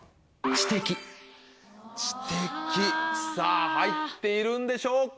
「知的」入っているんでしょうか？